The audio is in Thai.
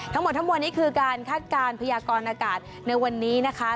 ทั้งหมดทั้งมวลนี้คือการคาดการณ์พยากรอากาศในวันนี้นะคะ